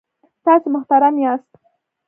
تاسې محترم یاست.